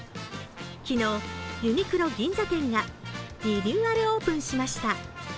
昨日、ユニクロ銀座店がリニューアルオープンしました。